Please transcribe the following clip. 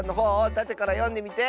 たてからよんでみて！